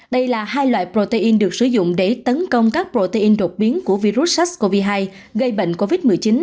đây là hai loại protein được sử dụng để tấn công các protein đột biến của virus sars cov hai gây bệnh covid một mươi chín